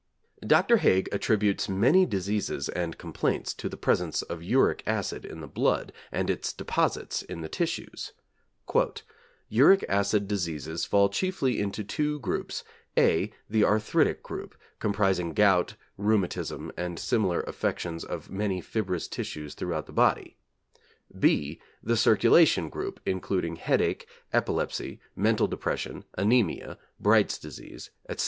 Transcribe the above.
Dr. Haig attributes many diseases and complaints to the presence of uric acid in the blood and its deposits in the tissues: 'Uric acid diseases fall chiefly in two groups: (a) The arthritic group, comprising gout, rheumatism, and similar affections of many fibrous tissues throughout the body; (b) the circulation group including headache, epilepsy, mental depression, anæmia, Bright's disease, etc.'